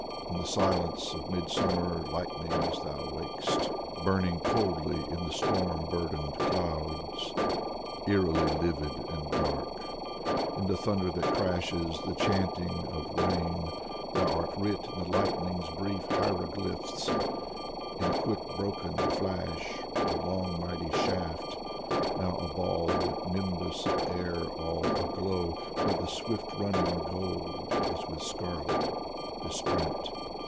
In the silence of midsummer lightnings thou wak'st. Burning coldly in storm burdened clouds. Eerily livid and dark. Konstantin Balmont 77 In the thunder that crashes, the chanting of rain, Thou art writ in the lightning's brief hieroglyphs, In a quick broken flash Or a long mighty shaft, Now a ball with a nimbus of air all aglow Where the swift running gold Is with scarlet besprent.